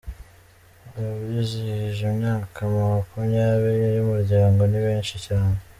abizihije imyaka makumyabiri y’Umuryango nibenshi cyane